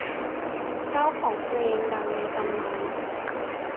เจ้าของเพลงดังในตำนาน